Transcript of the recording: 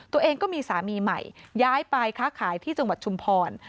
ตัวเองก็มีสามีใหม่ย้ายไปค้าขายที่จังหวัดชุมพร